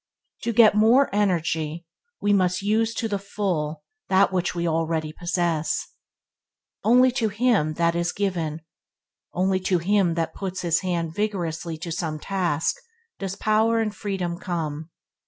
To get more energy we must use to the full that which we already possess. Only to him that that is given. Only to him that puts his hand vigorously to some task does power and freedom come.